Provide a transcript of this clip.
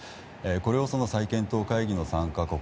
これを再検討会議の参加国